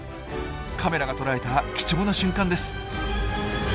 カメラが捉えた貴重な瞬間です。